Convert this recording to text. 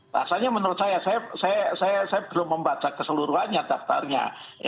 rasanya menurut saya saya belum membaca keseluruhannya daftarnya